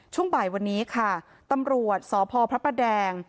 ช่วงบ่ายวันนี้ค่ะตำรวจสพพระประแดง